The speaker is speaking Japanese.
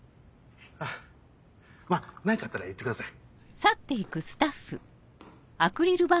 あぁまぁ何かあったら言ってください。